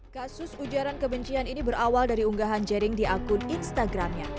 kasus ujaran kebencian ini berawal dari unggahan jering di akun instagramnya